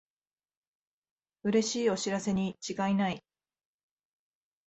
うれしいお知らせにちがいない